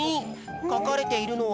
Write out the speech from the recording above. かかれているのは？